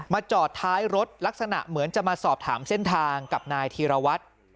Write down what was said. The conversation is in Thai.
จอดท้ายรถลักษณะเหมือนจะมาสอบถามเส้นทางกับนายธีรวัตร